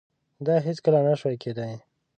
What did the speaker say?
دا هیڅکله نشوای کېدای.